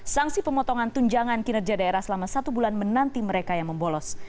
sanksi pemotongan tunjangan kinerja daerah selama satu bulan menanti mereka yang membolos